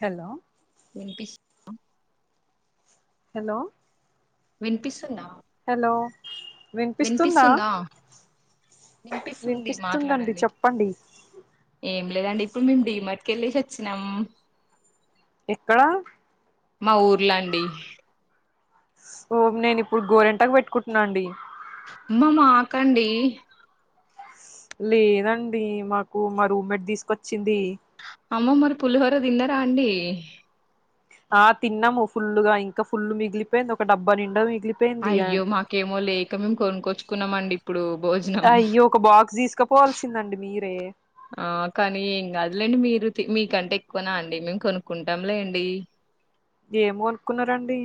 Hello వినిపిస్త hello వినిపిస్తుంద hello వినిపిస్తుందా వినిపిస్తుందండి చెప్పండి ఏం లేదండి. ఇప్పుడు మేం డీమార్ట్ కి వెళ్ళేసి వచ్చినాం ఎక్కడ మా ఊర్ల అండి స్ ఓ నేను ఇప్పుడు గోరెంటాకు పెట్టుకుంటున్నా అండి అమ్మ మాకండి లేదండి మాకు మా రూమ్మెట్ దీసుకొచ్చింది అమ్మ మరి పులిహోర తిన్నరా అండి ఆ తిన్నాము ఫుల్ గా ఇంకా ఫుల్ మిగిలిపోయింది ఒక డబ్బా నిండా మిగిలిపోయింది అయ్యో మాకేమో లేక మేము కొనుక్కొచ్చు కున్నమండి ఇప్పుడు భోజనం అయ్యో ఒక బాక్స్ తీసుకపోవల్సిందండి మీరే ఆ కానీ ఏం కాదులేండి మీరు తి మీకంటే ఎక్కువనా అండి మేము కొనుక్కుంటాం లేండి ఏమ కొనుక్కున్నారండి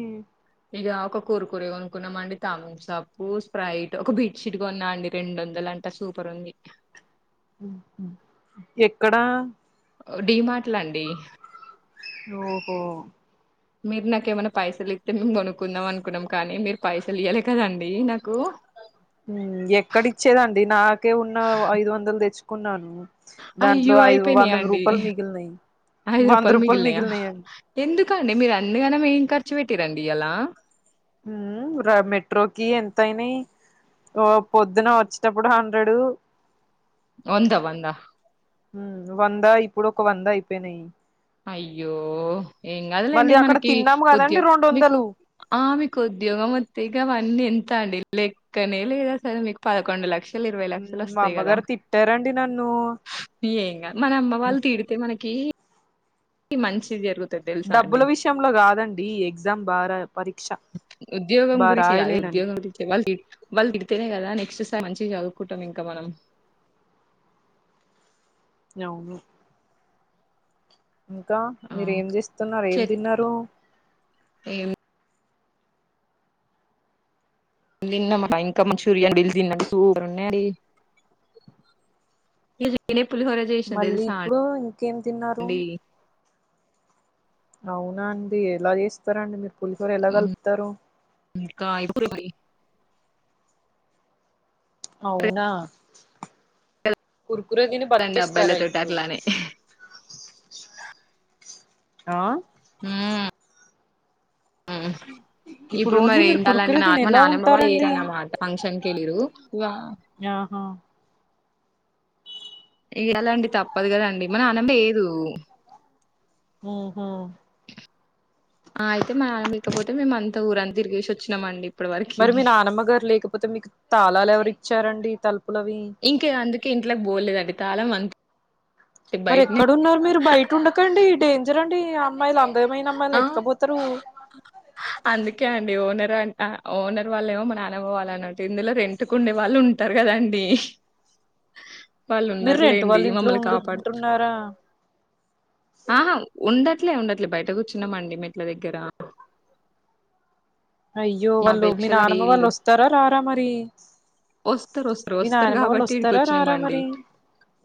ఇక ఒక కుర్కురే కొనుకున్నాం అండి, థంప్స్ అప్ స్ప్రైట్ ఒక బెడ్షీట్ కొన్నా అండి, రెండు వందల అంటా సూపర్ ఉంది ఎక్కడా డి మార్టులో అండి ఓహో మీరు నాక ఏమైనా పైసలు ఇస్తే మేము కొనుక్కుందాం అనుకున్నాం, కానీ మీరు పైసలు ఇవ్వాలి కదండి నాకు మ్ ఎక్కడిచ్చేదండి నాకే ఉన్న ఐదు వందలు తెచ్చు కున్నాను అయ్యో అయిపోయినాయా అండి, మిగిలినాయి ఐదు వంద రూపాయలు మిగిలినయా, మిగిలినాయండి ఎందుక అండి మీరు అందుకనే ఎం క కూర్చో పెట్టిర అండి ఇయాల మ్ మెట్రోకి ఎంతన్నాయి పొద్దున వచ్చేటప్పుడు హండ్రెడు వందా వందా వంద ఇప్పుడు ఒక వంద అయిపోయినాయి అయ్యో ఏం మళ్ళీ కదులేండి అక్కడ మనకి తిన్నాము కదండి ఉద్యోగ రెండు మీకు వందలు ఆ మీకు ఉద్యోగం వతే ఇగ అవన్నీ ఎంత అండి లెక్కనే లేదా సార్ మీకు పదకొండు లక్ష ఇరవై లక్షలు మా వస్తాయి కదా అమ్మగారు తిట్టారండి నన్ను ఏ కాద్ మన అమ్మ వాళ్ళు తిడితే మనకి ఈ మంచిది జరుగుతుం డబ్బుల విషయంలో కాదండి, ఈ ఎగ్జామ్ బాగా పరీక్ష ఉద్యోగం బాగా గురించి అదే రాయలేనని ఉద్యోగం గురించి వాళ్ళు వాళ్ళు తిడితేనే కదా నెక్స్ట్ సమ్ మంచి చదువుకుంటాం ఇంకా మనం అవును ఇంకా ఆ మీరూ ఏం చేస్తున్నారు ఏం తిన్నారు ఏ తిన్నామా ఇంకా మంచూరియన్ బిల్ తిన్నాండి సూపర్ ఉన్నాయిడి మళ్ళీ ఇప్పుడు ఇంకేం తిన్నారు అండి అవునా అండి ఎలా చేస్తారండి మీరు పులిహోర ఎలా కలుపుతారు కా ఇప్పుడుయి అవునా కుర్కుర దిని అండి బతికిస్తారా అబ్బాయిలతోటి ఇప్పుడు అట్లానే ఆ మ్ ఇప్పుడు ఓన్లీ మరి మీరు ఏంటాలంటే కురుకురే నా తిని ఎలా నానమ్మ వా వర ఉంటారండి అన్నమాట ఫంక్షన్కిళ్ళరు ఆహా ఇం ఎలాండి తప్పదు కదండి మన అనం ఏదు మ్ హు ఆ అయితే మామకపోతే మేమ అంత ఊరంతా తిరిగేసి వచ్చినామ అండి మరి మీ నానమ్మ గారు లేకపోతే మీకు తాళాలు ఎవరూ ఇచ్చారండి తలుపులువి తాలం వం మరి ఎక్కడన్నారు మీరు బయట ఉండకండి డేంజర్ అండి మైలా అందమైన ఆ అమ్మాయిలను ఎత్క పోతారు అందుకే అండి ఓనర్ ఆ ఓనర్ వాళ్ళ ఏమో నానమ్మ వాళ్లు అన్నట్టు ఇందులో రెంట్ కు ఉండే వాళ్ళు ఉంటరు కదండి వాళ్ళు మీర్ర్ రెంట్ ఉన్నారులేండి వాళ్ళు ఇంట్లో మమ్మల్ని కాపాడు ఉంటున్నారా ఆహా ఉండట్లే ఉండట్లే బయట కూర్చున్నామండి మెట్ల దగ్గర అయ్యో వాళ్ళు నాభై మీ లక్షల నానమ్మ వాళ్ళు ఇల్లు వస్తారా రారా మరి వస్తారు వస్తారు మీ వస్తారు నాయనమ్మ వాళ్ళు కాబట్టి ఈడికి వస్తారా వచ్చినాము రారా అండి మరి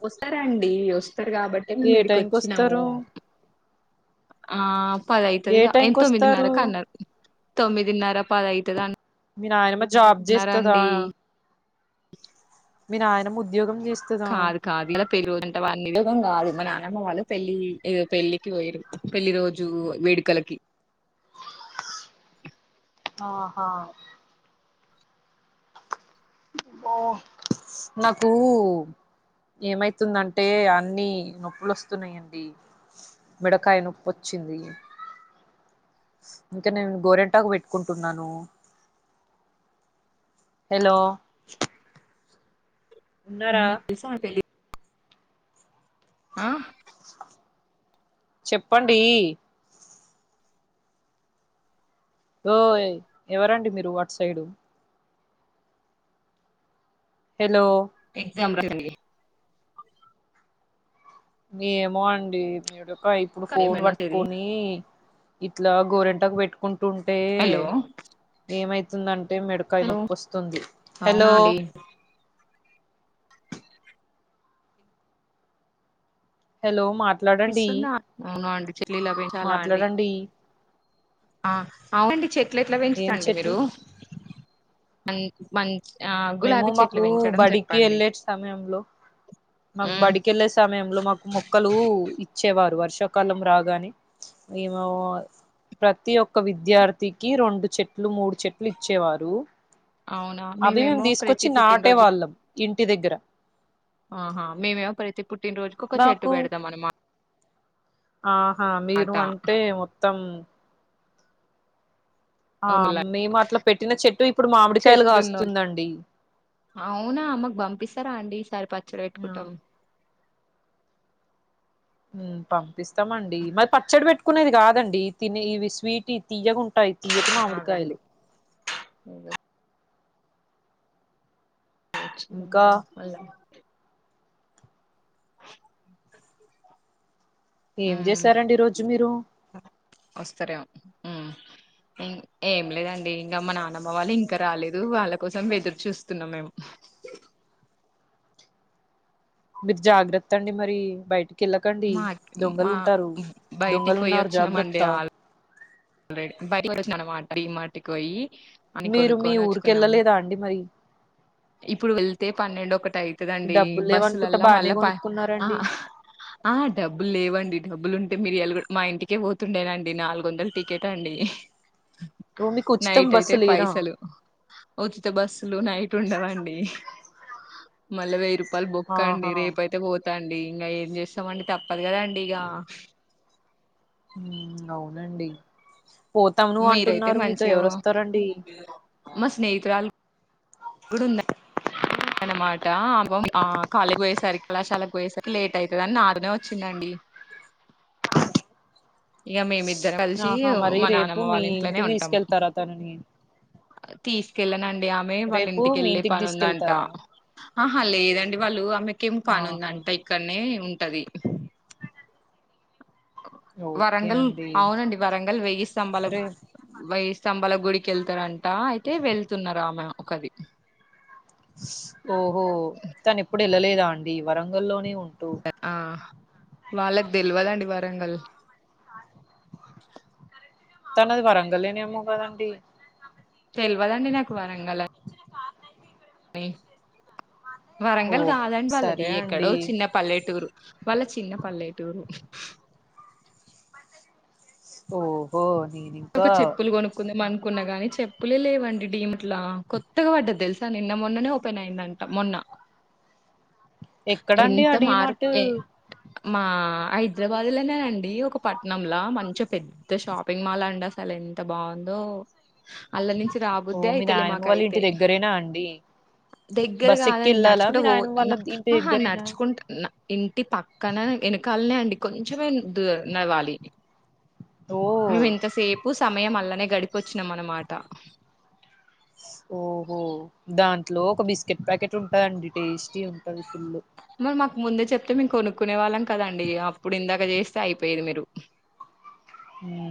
వస్తారండి వస్తారు కాబట్టి మేము ఏ ఈడికి టైంకి వచ్చినాము వస్తారు ఆ ఏ పదైతదిగా టైంకి ఆయన వస్తారు తొమ్మిదిన్నరకు అన్నారు తొమ్మిదిన్నర పదైతద మీ నాయనమ్మ జాబ్ జేస్తదా మీ నాయనమ్మ ఉద్యోగం చేస్తదా కాదు కాదు ఇలా పెరుగుదుంటే వాళ నివేగం కాదు మా నానమ్మ వాళ్ళు పెళ్ళలి పెళ్ళికి పోయరు పెళ్లి రోజు వేడుకలకి ఆహా ఓ నాకు ఏమైతుందంటే అన్ని నొప్పులు వస్తున్నాయిండి మెడకాయ నొప్పి వచ్చింది ఇంకా నేను గోరెంటాకు పెట్టుకుంటున్నాను హలో ఉన్నారా మీ పిస పెళ్ళికి ఆ చెప్పండీ ఓయ్ ఎవరండి మీరు అట్ సైడు హలో [unintelligible] ఏమో అండి మెడ క ఇప్పుడు ఫోన్ ఏమన్నది పట్టుకొనీ ఇట్లా గోరెంటాకు బేట్కున్ టుంటే హలో ఏమైతుందంటే మెడకాయ హలో నొప్పి వస్తుంది అవునా హలో అండి హలో మాట్ పిస్తుందా అవును అండి చెల్లీల పేంచాలా అండి మాట్లాడండి ఆ అవునండి చెల్ అట్ల ఎట్లా ఏం పెంచుతండి మీరు చెట్లు మం మం మేము మాకు బడికి వెళ్ళే సమయంలో మాకు మ్ బడికి వెళ్ళే సమయంలో మాకు మొక్కలు. ఇచ్చేవారు వర్షాకాలం రాగానే మేము ప్రతి ఒక్క విద్యార్థికి రెండు చెట్లు మూడు చెట్లు ఇచ్చేవారు. అవునా అవి మేము మేమేమో తీసుకొచ్చి ప్రతి నాటే పుట్టినరోజు వాళ్ళం ఇంటి దగ్గర ఆహా మేమేం ప్రతి పుట్టినరోజుకు ఒక చెట్టు మాకు పెడతాం అన్నమ ఆహా మీరు అన్నమాట అంటే మొత్తం ఆ అవును మేము అట్లా పెట్టిన చెట్టు ఇప్పుడు మామిడికాయలు చెట్లున్న కాస్తుందండీ సార్ ప చువెట్టుకుంటాం పంపిస్తామండి మరి పచ్చడి పెట్టుకునేది కాదండి తినే ఇవి స్వీట్ తీయ్యకుం టైప్ తియ్యటి ఆగండి మామిడికాయలు ఏదో ఇంకా [unintelligible] మళ్ళ ఏం ఉమ్ జేసారండి ఈ రోజు మీరు వస్తారేమో ఉ ఏం లేదండి ఇంగా మా నానమ్మ వాళ్ళు ఇంకా రాలేదు వాళ్ళ కోసం ఎదురు చూస్తున్నాం మేము మీరు జాగ్రత్త అండి మరి బయటిక్ కేళ్లకండి మా దొంగలు మా ఉంటారు బయటికి దొంగలున్నారు జాగ్రత్త రెడ్ బైటికి పోయోచనమనమాట డి మార్ట్ కి పోయి అని మీరు మీ కొనుక్కొని వచ్చుకున్నాం ఊరికేళ్ళలేదా అండి మరి ఇప్పుడు వెళ్తే పన్నెండు ఒకటి టైతడాండి డబ్బులు లేవనుకుంటా బస్సులల్ల మళ్ళ బానే పాన్ ఆ కొనుక్కున్నారండి. హా ఆ డబ్బులు లేవండి డబ్బులు మీరియల్ గుడ్ మా ఇంటికే పోతుండేనండి నాలుగు వందలు టిక్ కేట్ టండి ఓ మీకు ఉచితం నైట్ అయితే బస్సు లేదా? పైసలు ఉచిత బస్సులు నైట్ ఉండవండి మళ్ళవేరుప్ పల్ బొక్క అండి ఆహా! రేపు అయితే పో తండి ఇంగ ఏం చేస్తామండి తప్పదు కదాండి ఇగ ఉ అవునండి పోతాంను మీరైతే అంటున్నారు మీతో ఎవరోస్తారండి మ స్నేహితురాలు అనమాట అమ్ ఆ కళకి పోయేసారి కళాశాలకు పోయేసారి లేట్ అయితదని నాతోనే వచ్చిందండి ఇగ మేం ఇద్ ఆహా మరి రేపు మీ ఇంటికి ఉంటాం తీస్కెళ్తారా తననీ తీసుకెళ్ళనండ్ డి ఆమె వాళ్ళ ఇంటికేళ్ళే ఇంటికి పనుందంట తీసుకెళ్తారా ఆహా లేదండి వాళ్ళు ఆమె కేం కాను ఉంద ఆహా అంటైక్కనే ఉంటది ఓకే వరంగల్ అండి అవునండి వరంగల్ వెయ్యి స్తంభాలు రే వెయ్యి స్తంభాల గుడికెళ్తారండి అయితే వెళ్తున్నారు ఆమె! ఒక ఓహో తను ఇప్పుడే పిలలేదా ఆంటీ వరంగల్లోనే ఉ ఆ వాళ్ళ తెలివాలండి వరంగల్ తన అది పరంగల ఏమో కదండి తెల్వదండి నాకు వరంగల యి ఓ వరంగల్ కాదండి వాళ్ళది సరే ఎక్కడో అండి చిన్న పల్లెటూరు వాళ్లది చిన్న పల్లెటూరు ఓహో! నేను ఒక చెప్పులు కొనుక్కుంది మన అనుకున్నా కాగాని చెప్పులే లేవండి డిమాట్లా కొత్తగా పడ్డది తెలుసా నిన్న మొన్ననే ఓపెన్ అయిందంట మొన్న ఎక్కడండి ఎంత ఆ మార్ డీమార్ట్ ఏ మా హైదరాబాద్ లోనేనండి ఒక పట్నంలా మంచిగా పెద్ద షాపింగ్ మాల్ అండి అసలు ఎంత బాగుందో! అల్ళ నుంచి ఓ రాబోద్దే మీ అయితలే మాక నాయనమ్మ వాళ్ళ ఇంటి అయితే వాళ్ల నుంచి మాకు రాబుద్ధి అయితలేదు దగ్గరేనా అండి దగ్గర బస్ ఎక్కి కాదండి వెళ్ళాలా నడుచుకుంటే మీ నాయనమ్మ వాళ్ళ ఇంటి ఓహ దగ్గరేనా నడుచుకుంట ఇంటి పక్కన వెనకాలనే అండి కొంచెమే నవ్వాలి ఓ నువ్వు ఇంతసేపు మేము అలానే గడిపొచ్చినం మాట ఓహో దాంట్లో ఒక బిస్కెట్ ప్యాకెట్ ఉంటందండి టేస్టీ ఉంటది మరి మాకు ముందే చెప్తే మేం కొనుక్కునే వాళ్ళం కదండి అప్పుడు ఇందాక చేస్త అయిపోయది మీరు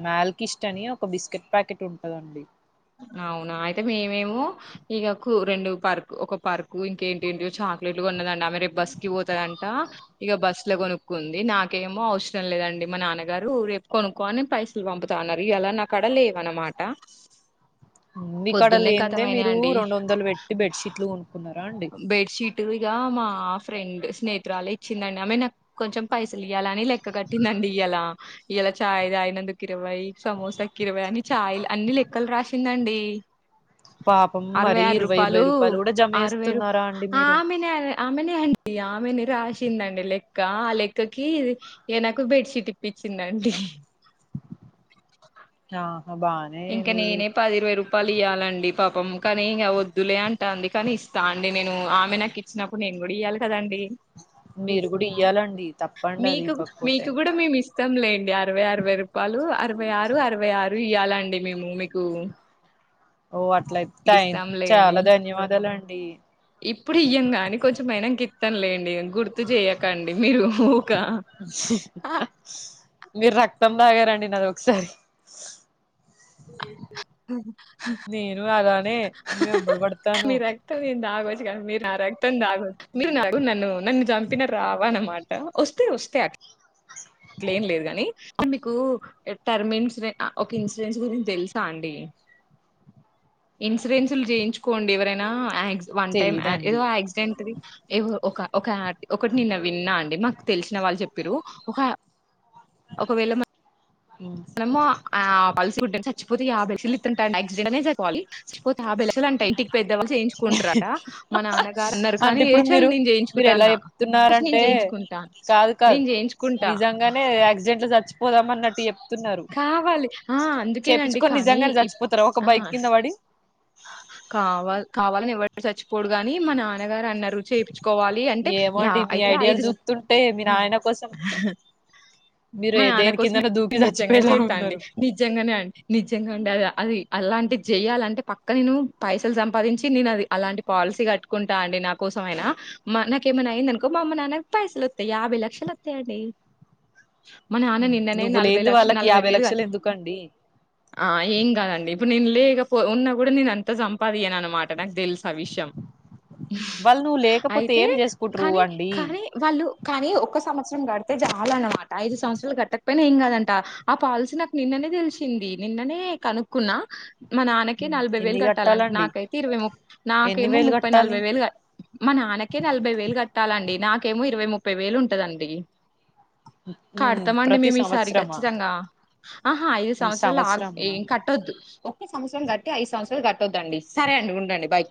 మా ల్ కిస్ట్ అని ఒక బిస్కెట్ ప్యాకెట్ ఉంటందండి అవునా అయితే మేమేమో ఇకకు రెండు పర్క్ ఒక పర్కు ఇంకేంటి ఏంటో చాక్లెట్లు కొన్నదండి ఆమె రేపు బస్ కి పోతదంట ఇక బస్ లో కొనుక్కుంది నాకేమో అవసరం లేదండి మా నాన్నగారు రేపు కొనుక్క అని పైసలు పంపుతాన్నారు ఇ అలా నాక్కడ లేవ అనమాట ఇక్కడ లేనిదే మీరు రెండు వందలు పెట్టి బెడ్షీట్లు కొనుక్కున్నారా అండి ఇగా మా ఫ్రెండ్ స్నేహితురాలు ఇచ్చిందండి ఆమె నాకు కొంచెం పైసలు ఇయ్యాల అని లెక్క కట్టిందండి ఇలా ఇలా చాయ్ తాగినందుకు ఇరవైయి సమోసా కిరవై అని ఆయిల్ అన్ని లెక్కలు రా తినండి పాపం అరవై మరీ ఆరు ఇరవై ఇరవై రూపాలు రూపాయలు కూడా జమ అరవై రూపా చేస్తున్నారా అండి మీరు ఆమెనే ఆమెనే అండి ఆమెని రాసిందండి లెక్క క్క ఆ లెక్కకి ఏనకు బెడ్ షీట్ ఇప్పించిందండి ఆ ఇంకా నేనే పది ఇర్వై రూపా పలు ఇయ్యాలండి పాపం కానీ ఇంగ వద్దులే అంటాంది కానీ ఇస్తా అండి నేను ఆమె నాకు ఇచ్చినప్పుడు నేను కూడా ఇయ్యాలి కదండి మీరు కూడా ఇయ్యాలండి తప్పండి అది ఇవ్వకపోతే ఇస్తాం లేండి అరవై అరవై రూపాలు అరవై ఆరు అరవై అరవై ఆరు ఇయ్యాలండి అంటే మేము మీకు ఓ అట్లయితే థ్యా ఇస్తాంలేండి చాలా ధన్యవాదాలండి పోయినంక ఇత్తం లేండి గుర్తు జేయకండి మీరు ఊకా మీరు రక్తం తాగారండి నాది ఒకసారి నేను అలానే మీ వెంబడి పడతాను మీ రక్తం నేదాగ మీరు నా రక్తం దాగొద్దు మీర నాగు నన్ను నన్ను జంపినా రావ అన్నమాట వస్తే వస్తే అ మీకు టర్మ్ ఇన్సూరెన్స్ ఒక ఇన్సూరెన్స్ గురించి తెలుసా అండి ఇన్సూరెన్స్ లు జేయించుకోండి ఎవరైనా యాక్సి వన్ టైమ్ తెలీదండి ఏదో ఆక్సిడెంట్ ది ఏవో ఒక ఒక ఒకటి నిన్న విన్నా అండి మాకు తెలిసిన వాళ్ళు చెప్పిర్రు ఒక ఒకవేళ మ మేము ఆ పలిసి విటి చిపోతి ఆ బె చిల్త్ంటా నెక్స్ డేనేవిపో ఆ బె అంట ఇంటికి పెద్దవాళ్ళు చేయించుకుంటారంట మా నాన్నగారు ఉన్నారు అంటే కానీ ఇప్పుడు చాల మీరు నేను మీరు చేయించుకుంటా ఎలా అన్నా ఫ నేను చెప్తున్నారంటే చేయించుకుంటాను కాదు కాదు నేను చేయించుకుంటా పొదామన్నటి చెప్ తున్నరు ఆ! అందుకేనండి చేపించుకొని కానీ నిజంగానే ఇప్ చచ్చిపోతార ఒక బైక్ కింద పడి ఆ అ కావాల్ కావాలని ఎవరు చచ్చిపోడుగాని మా నాన్న గారు అన్నారు చేపిచుకోవాలి అంటే ఏమో యా అండి మీ అయితే ఐడియాలు ఐదు స చూస్తుంటే మీ నాయన కోసం మీరు మా నాన్న దేని కోసమే కిందన దూకి నిజ్జంగా చచ్చిపోయేలా జేత్తా అండి ఉన్నారు నిజ్జంగనే అండి నిజ్జంగా అండి అది అలాంటి జేయాలంటే పక్క నేను పైసలు సంపాదించి నేను అది అలాంటి పాలసీ కట్టుకుంటా అండి నా కోసం అయినా మా నాకేమైనా అయిందనుకో మా అమ్మ నాన్నకి పైసలు వస్తాయి యాభై లక్షలు వత్ తెడీ మా నాన్న నిన్ననే నువ్వు నలభై లేంది లక్ష్ వాళ్ళకి నలభై యాభై వేలు కట్ లక్షలు ఎందుకండి ఆ ఏం కాదండి ఇప్పుడు నేను లేకపో ఉన్నా గూడ నేను అంత సంపాదియన నమాట నాకు తెలుసు ఆ విషయం వాళ్ళు నువ్వు లేకపోతే అయితే ఏం చేసుకుంటారు కానీ అండి కానీ వాళ్ళు కానీ ఒక్క సంవత్సరం గడితే జాలన్నమాట ఐదు సంవత్సరాలు కట్టకపోయినా ఏం కాదంట ఆ పాలసీ నాకు నిన్ననే దేలిసింది నిన్ననే కనుక్కున్నా మా నాన్నకి నలభై వేలు ఎన్ని గట్టాలంట్ కట్టాలండి నాకైతే ఇరవై ముప్ ఎన్ని నాకేమో వేలు ముప్పై కట్టాలి నలభై వేలు కట్ మా నాన్నకే నలభై వేలు గట్టాలండి నాకేమొ ఇరవై ముప్పై వేలు ఉంటదండి ఉమ్ కడతామండి ప్రతి మేము ఈసారి సంవత్సరమా ఖచ్చితంగా ఆహా ఐదు సంవత్సరాలు ఆగ్ సంవత్సరమా ఏం కట్టొద్దు ఒక్క సంవత్సరం గట్టి ఐదు సంవత్సరాలు గట్ వద్దండి సరే అండి ఉండండి బాయ్